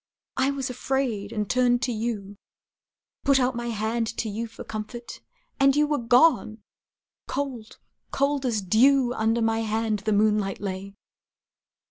I was afraid, and turned to you, Put out my hand to you for comfort, And you were gone! Cold, cold as dew, Under my hand the moonlight lay!